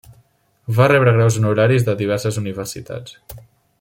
Va rebre graus honoraris de diverses universitats.